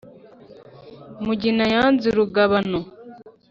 mugina yanze urugabano.